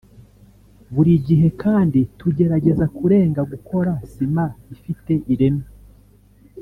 Buri gihe kandi tugerageza kurenga gukora sima ifite ireme